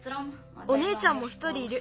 おねえちゃんも１人いる。